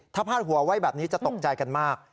ถ้าพาดหัวไว้แบบนี้จะตกใจกันมาก